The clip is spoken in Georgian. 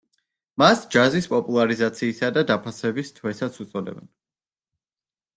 მას ჯაზის პოპულარიზაციისა და დაფასების თვესაც უწოდებენ.